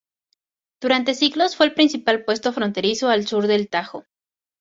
Durante siglos fue el principal puesto fronterizo al sur del Tajo.